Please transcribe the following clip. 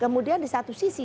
kemudian di satu sisi